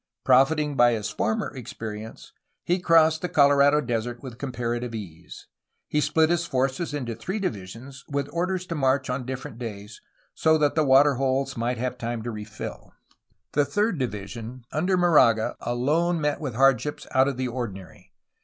Profiting by his former experience, he crossed the Colorado Desert with comparative ease. He split his forces into three divisions, with orders to march on different days, so that the water holes might have time to refill. The third division, under Moraga, alone met with hardships out of the ordinary.